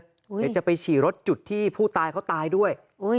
เดี๋ยวจะไปฉี่รถจุดที่ผู้ตายเขาตายด้วย